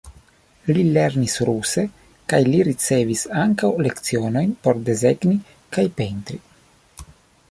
Li lernis ruse kaj li ricevis ankaŭ lecionojn por desegni kaj pentri.